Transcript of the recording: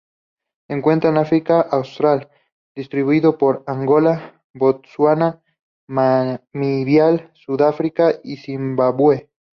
Se encuentra en África austral, distribuido por Angola, Botsuana, Namibia, Sudáfrica y Zimbabue.